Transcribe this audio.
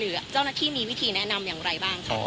เจ้าหน้าที่มีวิธีแนะนำอย่างไรบ้างคะ